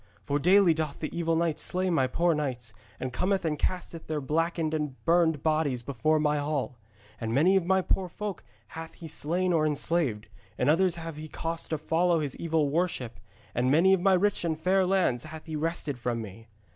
For daily doth the evil knight slay my poor knights, and cometh and casteth their blackened and burned bodies before my hall. And many of my poor folk hath he slain or enslaved, and others hath he caused to follow his evil worship, and many of my rich and fair lands hath he wrested from me.'